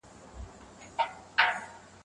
ټولنیز تحول څنګه رامنځته کیږي؟